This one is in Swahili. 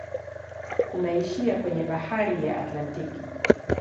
Unaishia kwenye bahari ya Atlantiki.